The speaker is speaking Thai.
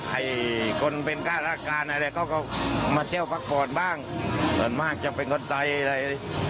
ไอ้คนเป็นค่าราชการอะไรเขาก็มาเที่ยวพักกอดบ้างส่วนมากจะเป็นคนไทยอะไร